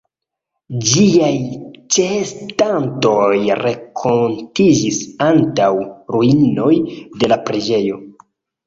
Ĝiaj ĉeestantoj renkontiĝis antaŭ ruinoj de la preĝejo.